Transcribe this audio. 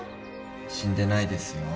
死んでないですよ。